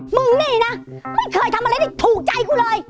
มึงนี่นะไม่เคยทำอะไรที่ถูกใจกูเลย